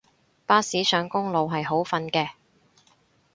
巴士上公路係好瞓嘅